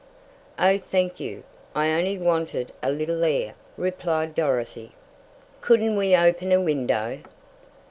"Oh, thank you. I only wanted a little air," replied Dorothy. "Couldn't we open a window?"